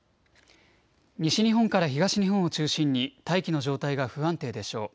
西日本から東日本を中心に大気の状態が不安定でしょう。